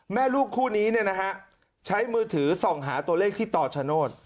แม่ลูกคู่นี้ใช้มือถือส่องหาตัวเลขที่ต่อชะนด